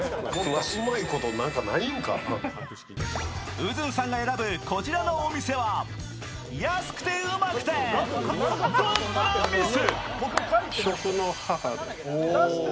ウズンさんが選ぶこちらのお店は、安くてウマくて、どんな店？